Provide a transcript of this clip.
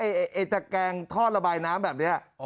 ไอ้ตะแกงท่อระบายน้ำแบบนี้